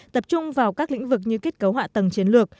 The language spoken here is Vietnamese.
tập trung vào các lĩnh vực như kết cấu hạ tầng chiến lược